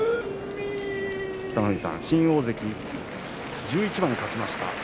北の富士さん新大関１１番勝ちました。